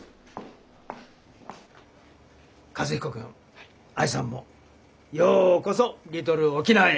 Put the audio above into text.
和彦君愛さんもようこそリトル・オキナワへ。